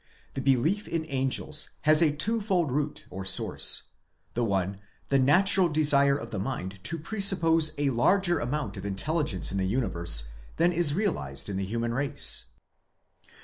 The belief in angels has a twofold root or source: the one the natural desire of the mind to presuppose a larger amount of intelligence in the universe than is realized in the human race.